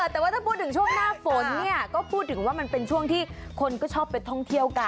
แต่ว่าถ้าพูดถึงช่วงหน้าฝนเนี่ยก็พูดถึงว่ามันเป็นช่วงที่คนก็ชอบไปท่องเที่ยวกัน